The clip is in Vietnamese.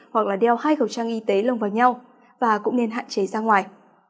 hoặc là đeo hai khẩu trang y tế lông vào nhau và cũng nên hạn chế ra ngoài